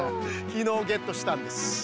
きのうゲットしたんです。